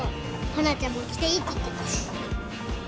花ちゃんも来ていいって言ってたし。